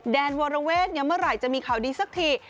แนนวรเวทเมื่อไหร่จะมีข่าวดีสักที